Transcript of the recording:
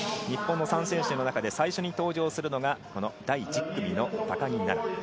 日本の３選手の中で最初に登場するのがこの第１０組の高木菜那。